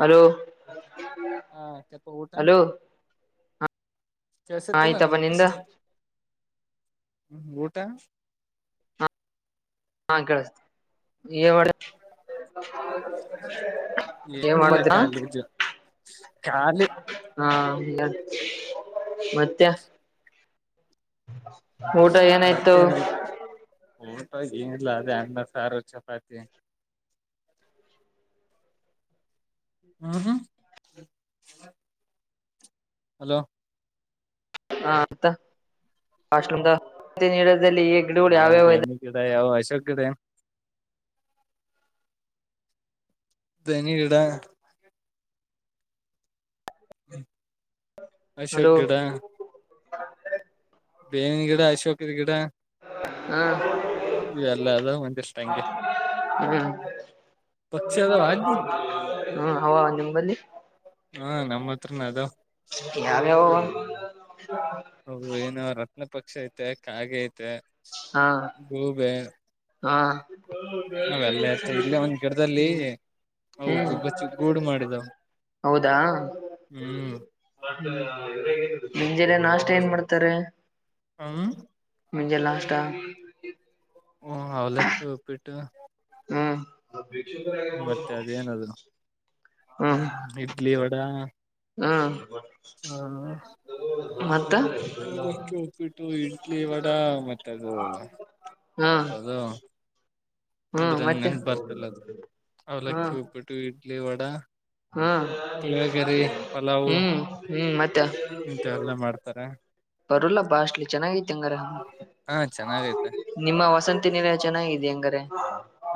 Hello ಹಾ ಕೆಪ್ಪ ಊಟ ಹಲೋ ಕೆಸ ತಲ್ಲ ಆಯ್ತಪ್ಪ ನಾನ ನಿಂದ ಕಷ್ಟತ [inaudible] ಹ್ಮ ಊಟಾ ಹಾ ಕಳಿಸತೀ ಮಾಡ ಏನ್ ಏನಿಲ್ಲ ಮಾಡಿದೀರಾ ಖಾಲಿ ಇದು ಖಾಲಿ ಹಾ ಮತ್ತೆ ಊಟ ಏನಾಯ್ತು ಲ್ಲದೆೆ ಅ ಸಾರು ಚಪಾತಿ ಹ್ಮ ಹ್ಮ ಹಲೋ ಹಾ ಅ ವಾಷೂಮದ ನೀಡ ಯಾವ ಬೇನಿಗಿದೆ ಯಾವ ಅಶೋಕ್ದೆ ಬನಡಾ [unintelligible] ಹ್ಮ ಅಷಾ ಹಲೋ ಗಡ [inaudible] ಬೇವಿನ ಗಿಡ ಅಶೋಕದ ಗಿಡ ಹಾ ಇವೆಲ್ಲ ಅದ ಒಂದಿಷ್ಟ ಹಂಗೆ ಹ್ಮ್ ಪಕ್ಷಿ ಅದ ಹ ಹ್ಮ್ ಅವ ನಿಂಬಲ್ಲಿ ಹಾ ನಮ್ಮ ಹತ್ರನ ಅದ [inaudible] ಯಾವ್ಯಾವ ಹೌದು ಏನ ರತ್ನ ಪಕ್ಷಿ ಐತೆ ಕಾಗೆ ಐತೆ ಹಾ ಗೂಬೆ ಹಾ ಅವೆಲ್ಲ ಇರ್ತ ಇಲ್ಲೇ ಒಂದ್ ಗಿಡದಲ್ಲಿ ಹ್ಮ್ ಅವು ಗುಬ್ಬಚ್ಚಿ ಗೂಡು ಮಾಡಿದವು ಹೌದಾ. ಹ್ಮ್ ನಿಂಜೆಲ್ಲ ನಾಷ್ಟ ಏನ್ ಮಾಡ್ತಾರೆ [inaudible] ಹ್ಮ [unintelligible] ಮುೆ ಲಾಸ್ಟ್ [inaudible] ತ್ತ [inaudible] ಹಓ ಅವಲಕ್ಕೆಪ್ಪಿಟ್ಟ ಹಾ ಮತ್ತೆ ಅದೇನದು [inaudible] ಇಡ್ಲಿ ವಡಾ ಹಾ [inaudible] ಹಾ ಮತ್ತ ಅವಲಕ್ಕಿ ಉಪ್ಪಿಟ್ಟು ಇಡ್ಲಿ ವಡಾ ಮತ್ತೆ ಅದು ಹಾ ಏನಪ್ಪ ಅದು ಹ್ಮ್ ಅಂದ್ರೆ ಮತ್ತೆ ನೆನ್ಪ ಬರ್ತಲ್ಲ ಅದ ಅವ್ಲಕ್ಕಿ ಉಪ್ಪಿಟ್ಟು ಇಡ್ಲಿ. ಇಡ್ಲಿ ವಡಾ. ಹ್ಮ ಪುಳಿಯೋಗರಿ ಹ್ಮ್ ಹ್ಮ ಮತ್ತ ಇಂತ ಎಲ್ಲ ಮಾಡ್ತಾರೆ. ಬರಲ್ಲ ಬಾಷ್ಟಲಿ ಚೆನ್ನಾಗೈತಿ ಅಂಗಾರ ಹಾ ಚೆನ್ನಾಗೈತೆ ನಿಮ್ಮ ವಸಂತಿ ನಿಲಯ ಚನ್ನಾಗಿದೆ ಹಂಗಾರೆ.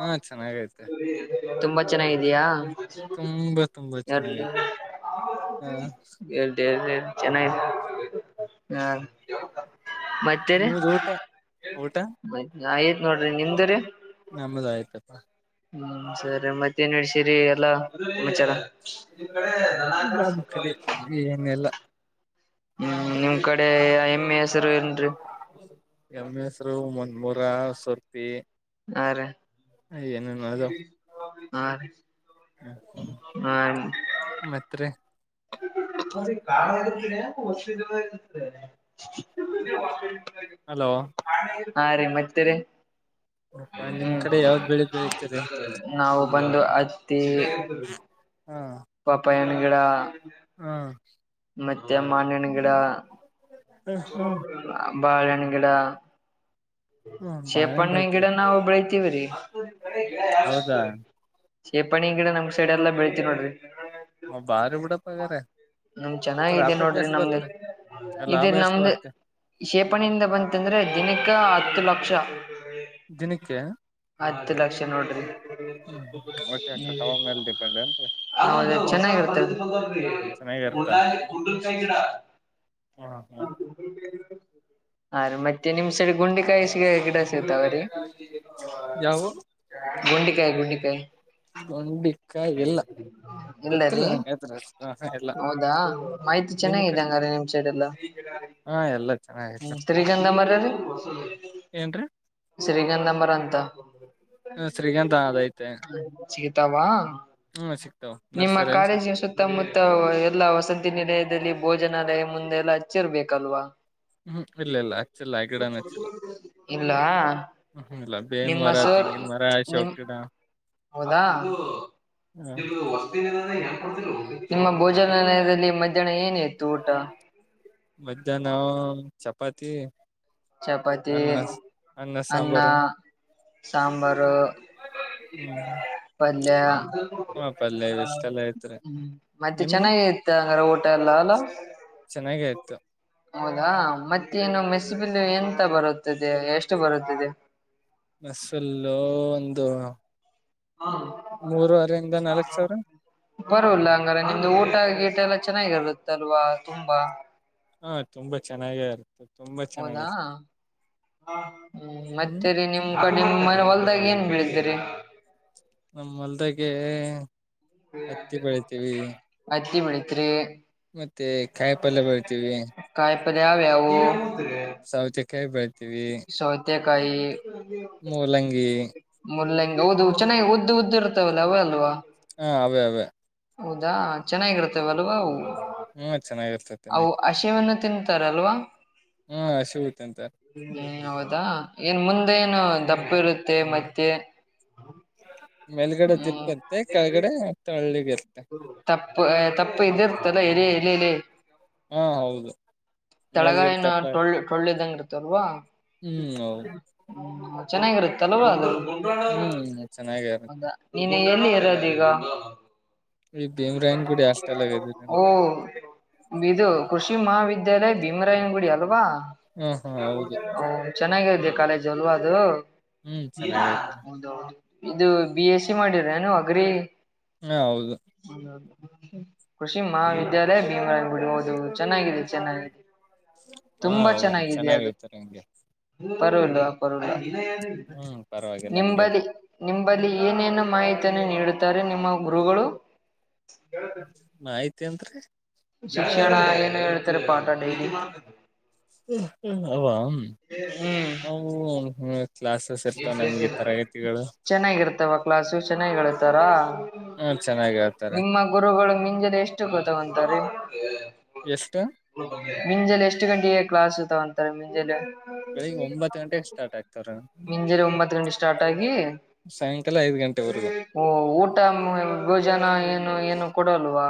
ಹಾ ಚೆನ್ನಾಗೈತೆ. ತುಂಬಾ ಚೆನ್ನಾಗಿದೇಯಾ. ತುಂಬಾ ತುಂಬಾ ಚೆನ್ನಾಗೈತೆ ಹಾ [unintelligible] ಚೆನ್ನಗ್ಗ ಹಾ ಮತ್ತೇರಿ ನಿಮ್ದ ಊಟ ಊಟ ಆಯತ್ ನೋಡ್ರಿ ನಿಮ್ದರಿ. ನಮ್ದ ಆಯ್ತಪ್ಪಾ ಹ್ಮ್ ಸರಿ ಮತ್ತೇನ್ ವಿಶೇರಿ. ಲ್ಲ ವಿಚಾರ. ನಮ್ ಕಡೆ ಏನೆಲ್ಲ ಹ್ಮ್ ನಿಮ್ ಕಡೆ ಎಮ್ ಎ ಎಸ್ [unintelligible] ಮೂನ್ಮೂರ ಸರ್ತಿ ಆ ರಿ [unintelligible] ಹಾ ರೀ ಮತ್ ರಿ ಹಲೋ [unintelligible] ಆ ರೀ ಮತ್ತೆ ರಿ. ನಿಮ್ ಹ್ಮ್ ಕಡೆ ಯಾವ ಬೆಳಿ ಬೆಳಿತೀರಿ ನಾವು ಬಂದು ಅತ್ತಿ ಹಾ ಪಪ್ಪಾಯನ ಗಿಡ ಹಾ ಮತ್ತೆ ಮಾನಿನ್ ಹ್ಮ ಹ್ಮ್ [unintelligible] ಬಾಳೆನ್ನ ಗಿಡಾ ಹ್ಮ್ ಬಾಳೆಹಣ್ಣು ಶಿಪ್ಪಣ್ಣಿನ ಗಿಡ ಬೆಳಿತೀರಿ ನಾವ ಬೆಳತೀವ್ರೀ ಹೌದಾ ಶೇಪಣ್ಣ ಹ ಗಿಡ ನಮ್ಮ ಸೈ ಸೈ ಎಲ್ಲ ಬೆಳಳ್ತಿ ನೋಡಿ ಹ ಬಾರ ಬೀಡ ಪಗರೆ ನಮ ಚೆನ್ನಾಗಾಗಿದೆ ನೋಡ್ರಿ ನಮ್ದ ಇದ ಲಾಭ ಎಷ್ಟ್ ನಮ್ದ ಬರುತ್ತೆ ಕಷೇಪಣಿಯಿಂದ ಬಂತಂದ್ರೆ ದಿನಕ್ಕೆ ಹತ್ತು ಲಕ್ಷ ದಿನಕ್ಕೆ ಹತ್ತು ಲಕ್ಷ ನೋಡಿರಿ ಹ್ಮ ಓಕೆ ಕಟಾವ ಮೇಲೆ ಡಿಪೆಂಡ್ ಏನ್ರಿ ಹೌದ ಚೆನ್ನಾಗಿರ್ತದು ಉ ಚೆನ್ನಾಗಿರ್ತ ಕಡ [unintelligible] ಹ್ಮ ಹಾ ಹ್ಮ್ ಗೂಗಲ್ ಪೇ ಹ್ ಹ ರೀ ಮತ್ತೆ ನಿಮ್ ಸಡಿ ಗುಂಡೆಕಾಯಿಗೆ ಗಿಡ ಸಿಗತಾವ ರೀ ಯಾವ ಗುಂಡಿಕಾಯ ಗುಂಡಿಕಾಯ ಒಂಡಿ ಇಲ್ಲರೀ ಅದ್ರ ಹೆಸರು ಎಲ್ಲ ಹೌದಾ ಮಾಹಿತಿ ನಿಮ್ ಕ ಚೆನ್ನಾಗಿದೆ ಅಂಗೀ ನಿಮ ಸೈಡೆಲ್ಲ ಹಾ ಎಲ್ಲ ಚೆನ್ನಾಗೈತೆ ಶರಿಗಂಧಾ ಮರರೀ ಏನ್ರೀ ಶರಿಗಂಧಾ ಮರರೀ ಅಂತ ಶ್ರೀಗಂಧ ಅದೈತೆ ಚಗತಾವ ಹ್ಮ್ ಸಿಗ್ತಾವ ನಿಮ್ಮ ನರ್ಸರಿಯಲ್ಲಿ ಸಿಗ್ ಕಾಲೇಜಿನ ಸುತ್ತಮುತ್ತ ಎಲ್ಲಾ ವಸಂತ ನಿಲಯದಲ್ಲಿ ಭೋಜನಾಲಯ ಮುಂದೆಲ್ಲ ಹಚ್ಚಿರ್ಬೇಕಲ್ವಾ ಹ್ಮ್ ಇಲ್ಲ ಇಲ್ಲ ಅಕ್ಚ್ಚಲ್ಲ ಆಗಿಡನ್ಚ್ಚಿಲ್ಲ ಇಲ್ಲ ಹ್ಮ್ಮ ಇಲ್ಲ ಬೇವನ್ ನಿಮ್ಮ ಮರ ಸರ್ ತೆಂಗಿನ ಮರ ನಿಮ್ ಅಶೋಕ್ ಗಿಡ ಹ ಇ ವಸ್ತ ನಿಮ್ಮ ಭೋಜನಾಲಯದಲ್ಲಿ ಮಧ್ಯ ಇದ್ದಣ ಏನತ್ತುು ಊಟ ಮಧ್ಯಾಹ್ನ ಚಪಾತಿ ಚಪಾತಿ ಅನ್ನ ಅನ್ನ ಸಾಂಬಾರು ಹ್ಮ್ ಅಲ್ಲಯ ಹ ಪಲ್ಯ ಹ್ಮ ಇಷ್ಟೆಲ್ಲ ಐತ್ರಿ ಮತ್ತೆ ನಿಮ್ಗೆ ಚೆನ್ನಾಗಿತ್ತು ಅಂಗ್ರ ಊಟ ಎಲ್ಲ ಅಲ್ಲ ಚೆನ್ನಾಗೆ ಆಯ್ತು ಹೌದಾ ಮತ್ತೇನು ಮೆ ಬಲ್ ಎಂತ ಬರುತ್ತದೆ ಎಷ್ಟು ಬರುತ್ತದೆ ಮಸಲ್ಲ ಒಂದು ಹ್ಮ ಮೂರುವರೆಯಿಂದ ನಾಲ್ಕ್ ಸಾವಿರ ಬರಲ್ಲ ಹಂಗಾರೆ ನಿಮ್ದು ಊಟ ಗೀಟ ಎಲ್ಲ ಚೆನ್ನಾಗಿರುಲತ್ತಲ್ವಾ ತುಂಬಾ ಹಾ ತುಂಬಾ ಚೆನ್ನಾಗೇ ಇರ್ತದೆ ಹೌದಾ ಹ್ಮ ಹ್ಮ್ ಮತ್ತೆರಿ ನಿಮ್ ಕಡಿ ಹೊಲ್ದಾಗ ಏನ್ ಬೆಳತೀರಿ ನಮ್ಮ ಅಲ್ದಾಗ ಹತ್ತಿ ಬೆಳಿತೀವಿ ಮಳತ್ರಿ ಮತ್ತೆ ಕಾಯಿ ಪಲ್ಯ ಬರ್ತೀವಿ ಪದಾವ್ಯಾವು ಸಾವಚ ಕ ಬ ಸೊತ್ಯ ಕಾಯ ಮೂಲಂಗಿ ಮುಲ್ಲಂಗಗೆ ಓದು ಚೆನ್ನಾಗಿ ಉದ್ದ ಉದ್ದ ಇರ್ತವಲ್ಲ ಅವವ ಅಲ್ವ ಹಾ ಅವೇ ಅವೇ ಹೌದಾ ಚೆನ್ನಾಗಿರುತ್ತವ ಅಲ್ವಾ ಹ್ಮ್ ಚೆನ್ನಾಗಿರ್ತೈತಿ ತಿ ನಾಕ ತಿಂತಾರಲ್ವಾ ಹ್ಮ್ ಶ ತ ಅಂತ ಹ ಹೌದಾ ಏನ್ ಮುಂದೆ ಏನು ದಪ್ಪ ಇರುತ್ತೆ ಮತ್ತೆ ಮೇಲ್ಗಡೆ ದಿಪ್ಪ ಹ್ಮ್ ಇತ್ತ ಕೆಳಗಡೆ ಮತ್ತ ಹಳ್ಳಿ ಇತ್ತ ತಪ್ಪು ತಪ್ಪು ಇದಿ ಇರ್ತಲ್ಲ ಇ ಇಲ್ಲೇ ಇಲ್ಲ ಹಾ ಹೌದು ಮೇಲ್ಗಡೆ ತಳಗಾಯಿನ ತಪ್ಲ ಟೊಳ್ಳೆ ಟೊಳ್ಳೆದಂಗ ಇರ್ತ್ತ ತ್ತಲ್ವಾ ಹ್ಮ್ ಹೌದು ಹ್ಮ ಚೆನ್ನಾಗಿರುತ್ತ ತಲವ ಅಂದರು ಹ್ಮ್ ಚೆನ್ನಾಗ ಇರುತ್ತೆ ಹೌದಾ ನೀ ಏಲ್ಲಿ ಇರೋದ ಈಗ ಈ ಭೀಮ್ರಾಯನ್ ಗುಡಿ ಹಾಸ್ಟೆಲ್ ಆಗಿದ್ದೀರ ಓ ವಿದು ಕೃಷಿ ಮಹಾವಿದ್ಯಾಲಯ ಭೀಮರಾಯನಗುಡಿ ಅಲ್ವಾ ಹಾ ಹಾ ಹೌದು [unintelligible] ಹ ಚೆನ್ನಾಗ ಕಾಲೇಜ್ ಒಲ್ವದು ಹ್ಮ್ ಇಲ್ಲ ಚೆನ್ನಾಗೈತೆ ಒಂದು ಇದು ಬಿ ಎಸ್ ಸಿ ಮಾಡಿದ್ರಾನ ಅಗ್ರಿ ಹಾ ಹೌದು ಕೃಷಿ ಮಹಾವಿದ್ಯಾಲಯ ಭೀಮರಂಗ ಗುಡಿ ಹಓದು ಚೆನ್ನಾಗಿದೆ ಚೆನ್ನಾಗಿದೆ ಹಾ ತುಂಬಾ ಹೌದು ಚೆನ್ನಾಗೈತಾರೆ ನಿಂಗೆ ಪರವಲ್ಲ ಆ ಪರವ [unintelligible] ಪರವಾಗಿಲ್ಲ ಹಂಗೇನ್ ನಮ್ಮದಲಿ ನಿಮ್ ಬಲ್ಲಿ ಏನೇನು ಮಾಹಿತಿಯನ್ನು ನೀಡುತ್ತಾರೆ ನಿಮ್ಮ ಗುರುಗಳು ಮಾಯ್ತಿ ಅನ್ರಿ ಶಿಕ್ಷಣ ಆಯ ತರ ಪಾಟಡೇಲಿ ಅವು ಅವು [unintelligible] ಇರ್ತಾವ ನಮ್ಗೆ [unintelligible] ತರಗತಿಗಳು ಚೆನ್ನಾಗಿರ್ತವ ಕ್ಲಾಸು ಚೆನ್ನಾಗಿ ಹೇಳೆ ತರಾ ಹ್ಮ ಚೆನ್ನಾಗ ಹೇಳ್ತಾರೆ ಮುಂಜಾನೆ ಎಷ್ಟು ಗೊತ್ತಗೊಂತಾರೆೀ ಎಷ್ಟು ಮಿಂಜಲ್ ಎಷ್ಟು ಗಂಟೆಗೆ ಕ್ಲಾಸ್ ತಾವನ್ [unintelligible] ಮುಂಜಾಲೀ ಬೆಳಿಗ್ಗೆ ಒಂಬತ್ತು ಗಂಟೆಗೆ ಸಾರ್ ಆಗ್ತವ್ರ ಮಂಜರೆ ಒಂಬತ್ ಗಂಟೆ ಸ್ಟಾರ್ಟ್ ಆಗಿ ಸಾಯಂಕಾಲ ಐದ್ ಗಂಟೆವರೆಗೂ ಊಟ ಭೋಜನ ಏನು ಏನು ಕೊಡವಾ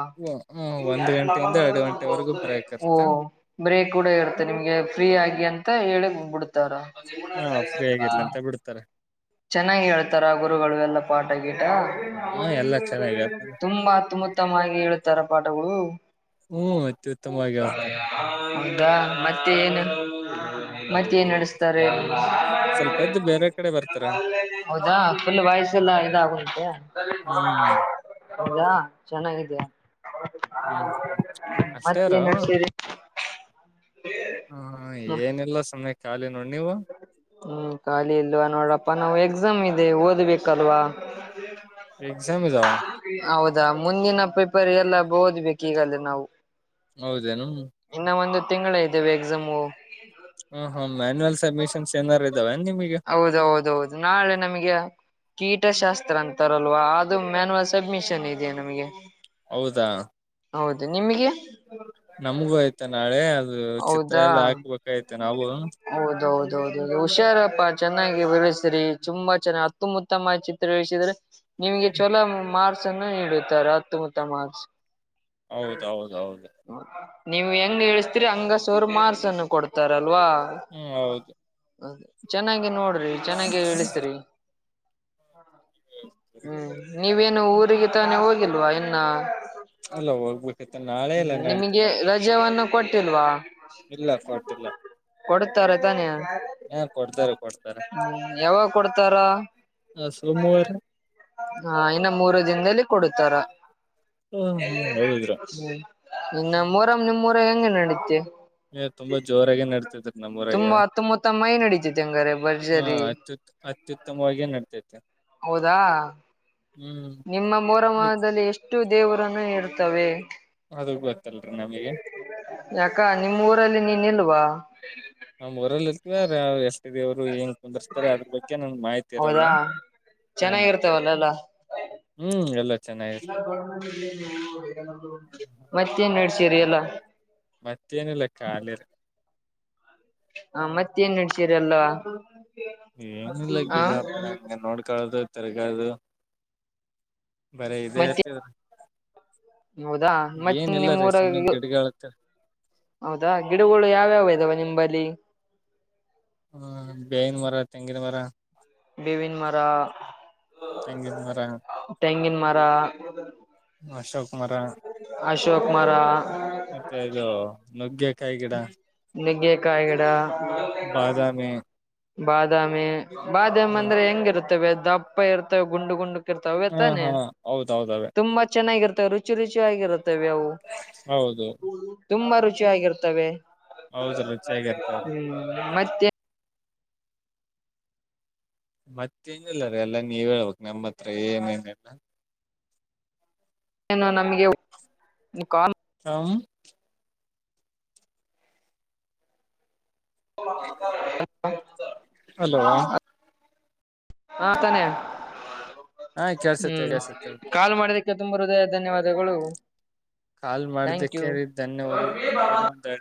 ಒಂದ್ ಗಂಟೆಯಿಂದ ಎರಡು ಗಂಟೆವರೆಗೂ ಬ್ರೇಕ್ ಇರ್ತ [unintelligible] ಬ್ರ ಕೂಡ ಇ ನಿಮಗೆ ಫ್ರೀ ಆ ಅ ಹೇಳಬು ಉತ್ತರ ಹೇಗಿಲ್ಲ ಅಂತ ಬಿಡ್ತಾರೆ ಚೆನ್ನಾಗಿ ಹೇಳ್ತಾರ ಗುರುಗಳು ಎಲ್ಲಾ ಪಾಠ ಗೀಟ ಹ ಎಲ್ಲಾ ಚೆನ್ನಾಗಿ ಹೇಳ್ತಾರೆ ತುಂಬಾ ಉತ್ತಮುತ್ತಮವಾಗಿ ಹೇಳುತ್ತಾರ ಪಾಠಗಳು ಹ್ಮ್ ಅತ್ಯ ಉುತ್ತಮವಾಗಿ ಹೇಳ್ತಾರೆ ಹೌದಾ ಮತ್ತೆ ನ್ ಮತ್ತ ನ್ ನಡೆಸ್ತಾರೆ ಸ್ವಲ್ಪ ಎದ್ದು ಬೇರೆ ಕಡೆ ಬರ್ತಾರ ಹೌದಾ ಫುಲ್ ವಯಸ್ಸ ಎಲ್ಲ ಇದಾಗಂತೆ ಹ್ಮ್ ಹೌದಾ ಚೆನ್ನಾಗಿದಯ [unintelligible] ಹ್ಮ್ ಅಷ್ಟೇಾರು ಮತ್ತೇನ್ ನಡ್ಸೀರಿ ಹ ಏನೆಲ್ಲ ಸಮಯ ಕಲೆ ಹ್ಮ್ ಖಾಲಿ ಇಲ್ವಾ ನೋಡಪ್ಪ ನಾವು ಎಕ್ಸಾಮ್ ಇದೆ ಓದ್ಬೇಕಲ್ವಾ ಎಕ್ಸಾಮ್ ಇದಾವ ಅವತ್ತು ಅದಾ ಮುಂದಿನ ಪ್ರಿಪೇರ್ ಎಲ್ಲ ಓದ್ಬೇಕು ಈಗಲೇ ನಾವು ಹೌದೇನು ಇದೆ ತಿಂಗಳ ಇದುವೆ ಎಕ್ಸಾಮು ಹ ಹಾ ಮ್ಯಾನಯಲ್ ಸಡ್ಮಿಷನ್ಸ್ ಏನಾರ ಹೌದೌದೌದು ನಾಳೆ ನಮಗೆ ಕೀಟಶಾಸ್ತ್ರ ಅಂತಾರಲ್ವಾ ಅದು ಮ್ಯಾಾನುವಲ್ ಸಬ್ಮಿಷನ್ ಇದೆಯಾ ನಮಗೆ ಹೌದಾ ಹೌದು ನಿಮಗೆ ನಮಗೂ ಆಯ್ತಾ ನಾಳೆ ಅ ಹೌದಾ ಹೌದೌದ ಹೌದು ಹುಷಾರಪ್ಪಾ ಚೆನ್ನಾಗಿ ಬೆ [inaudible] ಸರಿ ತುಂಬಾ ಚೆನ್ನ ಅತ್ತಮ ಉುತ್ತಮ ಚಿತ್ರ ಇಿಸಿದ್ರೆ ನಿಮ್ಗೆ ಚಛಲೋ ಮಾರ್ ನೀಡುತ್ತಾರೆ ಹತ್ತುಮುತ್ತ ಮಾ ಹೌದೌದೌದು ನೀವು ಹೆಂಗಗೆ [inaudible] ಅಂಗಸವರು ಮಾರ್ಸ್ ಅನ್ನು ಕೊಡ್ತಾರ [inaudible] ಅಲ್ವಾ ಹ್ಮ್ ಹೌದು ಚೆನ್ನಾಗಿ ನೋಡ್ರಿ ಚೆನ್ನಾಗಿ ಇಿಸ್ರಿ ಹ್ಮ ನೀವೇನು ಊರಿಗೆ ತಾನೇ ಹೋಗಿಲ್ವಾ ಇನ್ನ ಅಲ್ಲೋಗ್ಬ ಹ್ಮ ನಿಮಗೆ ರಜಾವವನ್ನು ಕೊಟ್ಟಿಲ್ವಾ ಇಲ್ಲ ಕೊಟ್ಟಿಲ್ಲ ಕೊಡ್ತಾರ ತಾನೇ [inaudible] ಹಾ ಕೊಡ್ತಾರೆ ಕೊಡ್ತಾರೆ ಹ್ಮ್ ಯಾವಾಗ ಕೊಡ್ತಾರ ಹ ಸೋಮವಾರ ಹ ಇನ್ನು ಮೂರು ದಿನದಲ್ಲಿ [inaudible] ಕೊಡ್ತಾರ ಹ ಹ ಹೌದ್ರು ಹ್ಮ ಇನ್ನಮ್ಮರ್ ನಿಮ ಮುರ ಎಂಗಡಕ್ಕೆ [inaudible] ತುಂಬಾ ಜೋರಾಗೆ ನಡತಿದ್ರ ನಮ್ಮೂರಗೆ ತುಂಬಾ ಅತ್ತುಮುತ್ತ ಮೈ ನಡೀತಿದೆ ಹಂಗಾರೆ ನಡ್ತೈತೆ ಹೌದಾ ಹ್ಮ್ ನಿಮ್ಮ ಮೋರಮದಲ್ಲಿ ಎಷ್ಟು ದೇವರನ್ನು ಇರ್ತವೆ ಅದು ಬೆ [inaudible] ಯಾಕ ನಿಮ್ಮ್ ಊರಲ್ಲಿ ನೀ [unintelligible] ಇಲ್ಲವಾ [unintelligible] ನ್ ರಲ್ಲಿ [unintelligible] ಾರ್ ಎಷ್ಟ ದೇವ್ರು ಹೆಂಗ [inaudible] ಹೌದಾ ಹ್ಮ್ ಚೆನ್ನಾಗಿರ್ತವಲ್ಲಲ್ಲ ಹ್ಮ್ ಎಲ್ಲ ಚೆನ್ನಾಗಿರ್ತದೆ ಮತ್ತನ್ ಸರಿಯಲ್ಲಾ ಮತ್ತೇನಿಲ್ಲ ಖಾಲಿರ ಹ ಮತ್ತೇಏನ್ ನಡ್ಸೀರ ಅಲ್ವಾ ಏನಿಲ್ಲ ಗಿಡಬಡ ಹಂಗ ನೋಡ್ಕೊಳೋದು ತಿರಗದು ಬರೇ ಇದೆ ಮತ್ತೆ ಹೌದಾ ಮತ್ತೆ ಏನಿಲ್ಲ ರೀ ನಿಮ್ಮೂಊರ ಸುಮ್ಮನೆ ಗಿಡಗಳತ್ತ ಹೌದಾ ಗಿಡಗಳು ಯಾವ್ಯಾವ ಇದಾವ ನಿಂಬಲ್ಲಿ ಹ್ಮ ಬೇವಿನ್ ಮರ ತೆಂಗಿನ ಮರ ಬೇವಿನ್ ಮರ ತೆಂಗಿನ ಮರ ತೆಂಗಿನ ಮರ [unintelligible] ಅಶೋಕುಮಾರ ಅಶೋಕ್ ಮರ ಮತ್ತೆ ಇದು ನುಗ್ಗೆಕಾಯಿ ಗಿಡ ಗಾಯಗಡ ಬಾದಾಮೀ ಬಾದಾಮಿ ಬಾದಾಮಮ್ಮ ಅಂದ್ರೆ ಹೆಂಗಿರುತ್ತೆ ಇವೆ ದಪ್ಪ ಇರ್ತವೆ ಗುಂಡು ಗುಂಡ ರ್ತ ಹಾ ತಾನೆ ಹಾ ಹೌದೌದವೇ ತುಂಬಾ ಚೆನ್ನಾಗಿರ್ತವೆ ರುಚಿ ರುಚಿ ಆಗಿರುತ್ತವೆ ಅವು ಹೌದು ತುಂಬಾ ರುಚಿ ಚಿ ಆಗಿರ್ತವೆ ಹೌದು ರುಚಿಯಾಗಿರ್ತಾವ ಹ್ಮ್ [unintelligible] ಮತ್ತೆ ಮತ್ತೇನಿಲ್ಲಾರೀ ಎಲ್ಲಾ ನೀವ್ ಹೇಳ್ಬೇಕಕ್ ನಮ್ಮ ಹತ್ರ ಏನೇನೆಲ್ಲ ನಮಗೆ ಕ ಹ ಮಾಡಕರ [unintelligible] ಹ ಹಲೋ ಹಾ ತಾನ ಹಾ ಕೆಳ್ಸತ್ತೆ ಹ್ಮ್ ಕೆಳ್ಸತ್ತೆ ಕಾಲು ಮಾಡದಕ್ಕೆ ತುಂಬಾ ಹೃದಯ ಧನ್ಯವಾದಗಳು ಕಾಲ್ ಥ್ಯಾಂಕ್ ಯು. ಮಾಡದಕ್ಕೆ ಧನ್ಯವಾದ